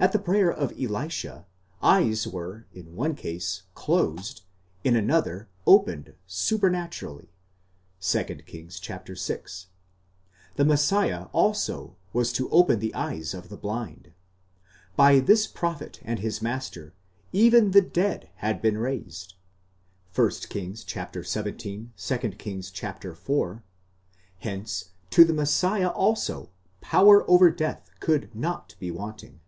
At the prayer of Elisha, eyes were in one case closed, in another, opened supernaturally (2 Kings vi.): the Messiah also was to open the eyes of the blind. By this prophet and his master, even the dead had been raised (1 Kings xvii. ; 2 Kings iv.): hence to the Messiah also power over death could not be wanting?